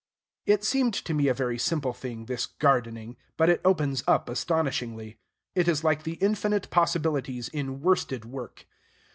It seemed to me a very simple thing, this gardening; but it opens up astonishingly. It is like the infinite possibilities in worsted work.